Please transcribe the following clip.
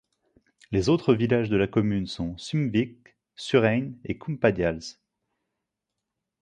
Les autres villages de la commune sont Sumvitg, Surrein et Cumpadials.